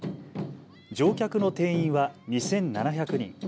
乗客の定員は２７００人。